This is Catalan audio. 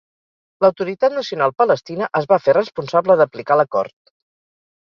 L'Autoritat Nacional Palestina es va fer responsable d'aplicar l'acord.